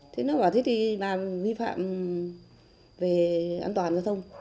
thế nó bảo thì bà vi phạm về an toàn giao thông